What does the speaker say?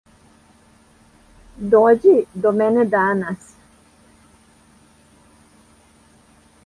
Дођи до мене данас.